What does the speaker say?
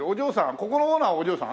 ここのオーナーはお嬢さん？